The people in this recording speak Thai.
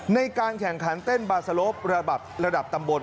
ในการแข่งขันเต้นบาสโลประดับระดับตำบล